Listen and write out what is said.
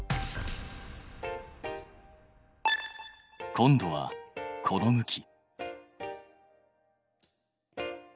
今度はこの向き。